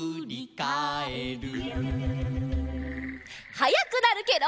はやくなるケロ。